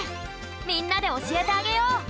みんなでおしえてあげよう。